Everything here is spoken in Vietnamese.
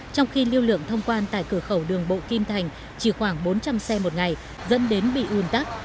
trong khi lưu lượng thông quan tại cửa khẩu đường bộ kim thành chỉ khoảng bốn trăm linh xe một ngày dẫn đến bị ùn tắc